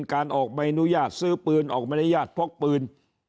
การออกใบอนุญาตซื้อปืนออกบรรยาทพกปืน